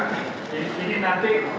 ini nanti disampaikan saja dalam